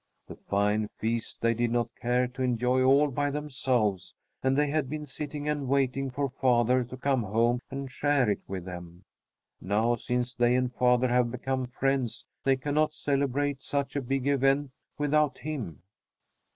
This fine feast they did not care to enjoy all by themselves, and they had been sitting and waiting for father to come home and share it with them. Now, since they and father have become friends, they cannot celebrate such a big event without him.